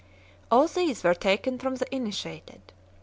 All these were taken from the Initiated.